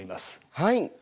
はい。